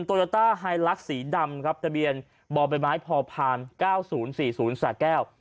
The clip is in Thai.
โยต้าไฮลักษ์สีดำครับทะเบียนบ่อใบไม้พอผ่าน๙๐๔๐สะแก้ว